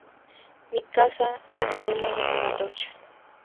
Mi caza se transformó en una antorcha.